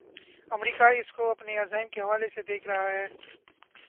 امریکہ اس کو اپنے عزائم کے حوالے سے دیکھ رہا ہے۔